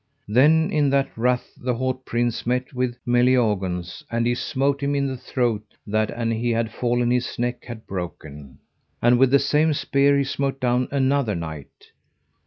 Then in that wrath the haut prince met with Meliagaunce, and he smote him in the throat that an he had fallen his neck had broken; and with the same spear he smote down another knight.